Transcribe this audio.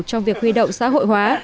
trong việc huy động xã hội hóa